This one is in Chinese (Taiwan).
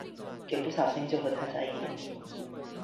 給不小心就會太在意的你